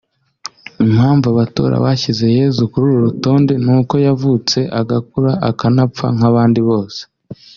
Impamvu abatora bashyize Yezu kuri uru rutonde ni uko yavutse agakura akanapfa nk’abandi bose